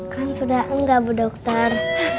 kan sudah enggak bu dokter